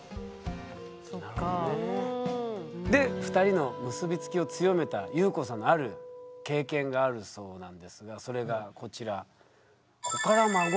で２人の結び付きを強めたゆうこさんのある経験があるそうなんですがそれがこちら。